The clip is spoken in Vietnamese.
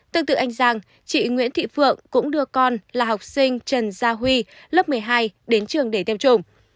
tương tự anh giang chị nguyễn thị phượng cũng đưa con là học sinh trần gia huy lớp một mươi hai đến trường để tiêm chủng